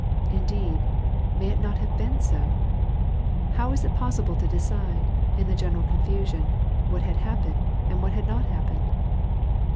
Indeeil, may it not have been so ? How Avas it possible to decide, in the general confusion, what had hapi)ened and whiit ha<i not happened